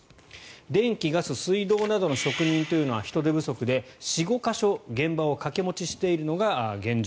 電気、水道、ガスなどの職人は人手不足で４５か所、現場を掛け持ちしているのが現状。